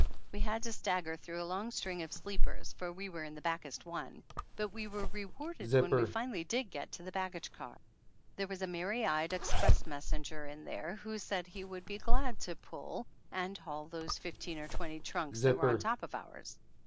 We had to stagger through a long string of sleepers, for we were in the backest one, but we were rewarded when we finally did get to the baggage car. There was a merry eyed ex press messenger in there who said he would be glad to pull and haul those fifteen or twenty trunks that were on top of ours